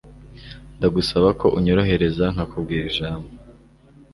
ndagusaba ko unyorohereza nkakubwira ijambo